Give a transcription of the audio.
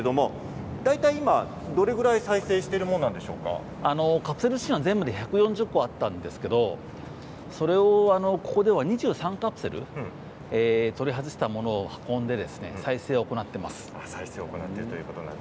大体今、どれぐらい再生しているカプセルは全部で１４０個あったんですがここでは２３カプセル取り外したものを運んで再生を行っています。